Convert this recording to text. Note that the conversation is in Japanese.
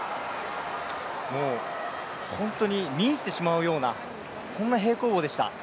もう、本当に見入ってしまうようなそんな平行棒でした。